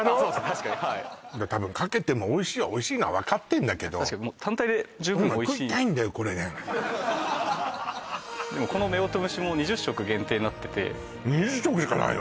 確かにはい多分かけてもおいしいのは分かってんだけど確かにもう単体で十分おいしいでもこの夫婦蒸しも２０食限定になってて２０食しかないの？